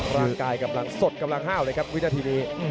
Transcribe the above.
ร่างกายกลับร่างสดกลับร่างห้าวเลยครับวิทยาทีดี